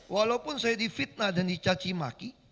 walaupun saya di fitnah dan dicacimaki